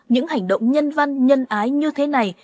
những hành động nhân văn nhân ái như thế này